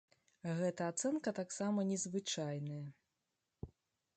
Гэта ацэнка таксама незвычайная.